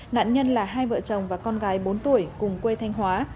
nạn nhân là hai vợ chồng và con gái bốn tuổi cùng quê thanh hóa